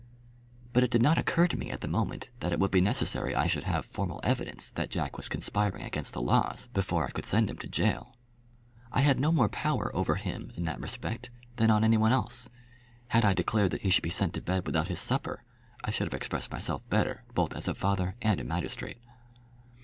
But it did not occur to me at the moment that it would be necessary I should have formal evidence that Jack was conspiring against the laws before I could send him to jail. I had no more power over him in that respect than on any one else. Had I declared that he should be sent to bed without his supper, I should have expressed myself better both as a father and a magistrate.